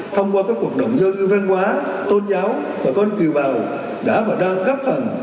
thông qua các hoạt động giao lưu văn hóa tôn giáo bà con kiều bào đã và đang góp phần